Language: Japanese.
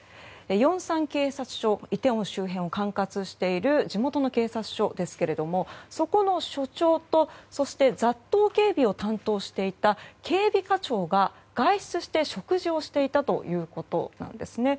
ヨンサン警察署イテウォン周辺を管轄する地元の警察署ですがそこの署長とそして雑踏警備を担当していた警備課長が外出して、食事をしていたということなんですね。